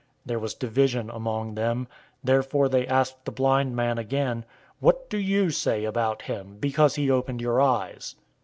There was division among them. 009:017 Therefore they asked the blind man again, "What do you say about him, because he opened your eyes?"